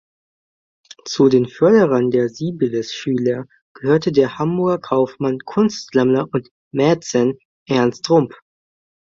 Zu den Förderern der Siebelist-Schüler gehörte der Hamburger Kaufmann, Kunstsammler und -mäzen Ernst Rump.